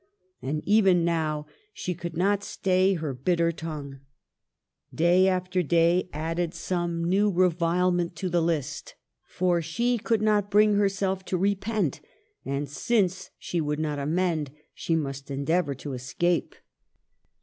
And even now she could not stay her bitter tongue. Day after day added some new 252 MARGARET OF ANGOUL^ME. revilement to the list. For she could not bring herself to repent; and since she would not amend, she must endeavor to escape.